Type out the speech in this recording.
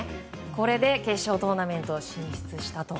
これで決勝トーナメント進出したと。